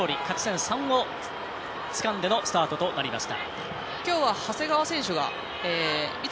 勝ち点３をつかんでのスタートとなりました。